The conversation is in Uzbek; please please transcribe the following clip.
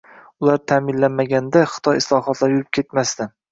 Bular ta’minlanmaganda Xitoy islohotlari yurib ketmasdi.